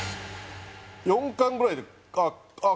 ４巻ぐらいであ